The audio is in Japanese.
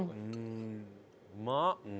うまっ！